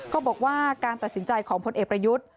ก็บอกว่าการตัดสินใจของพลเอกประยุทธ์